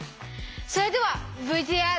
それではＶＴＲ。